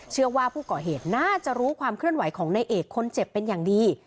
เชื่อว่าผู้ก่อเหตุน่าจะรู้ความเคลื่อนไหวของนายเอกคนเจ็บเป็นอย่างดี